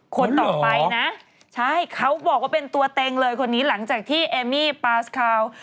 คนต่อไปนะใช่เขาบอกว่าเป็นตัวเต็งเลยคนนี้หลังจากที่เอมี่ปาสคาว